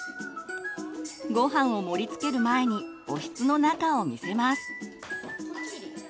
ごはんを盛りつける前におひつの中を見せます。